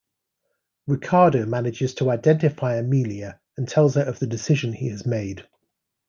Riccardo manages to identify Amelia and tells her of the decision he has made.